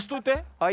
はい。